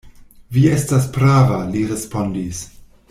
Vi estas prava, li respondis.